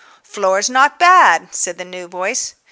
"Floor's not bad," said the new voice.